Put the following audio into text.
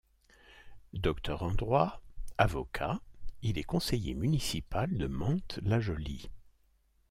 Docteur en droit, avocat, il est conseiller municipal de Mantes-la-Jolie.